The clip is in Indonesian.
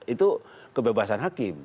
itu kebebasan hakim